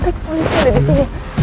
rick rick polisi ada di sini